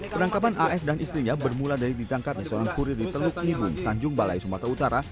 penangkapan af dan istrinya bermula dari ditangkapnya seorang kurir di teluk libun tanjung balai sumatera utara